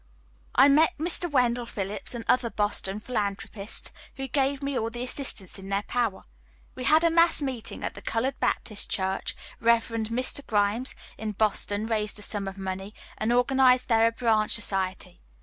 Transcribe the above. I met Mr. Wendell Phillips, and other Boston philanthropists, who gave me all the assistance in their power. We held a mass meeting at the Colored Baptist Church, Rev. Mr. Grimes, in Boston, raised a sum of money, and organized there a branch society.